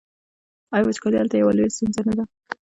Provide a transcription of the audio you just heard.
آیا وچکالي هلته یوه لویه ستونزه نه ده؟